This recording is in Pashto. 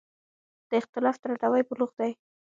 د اختلاف درناوی بلوغ دی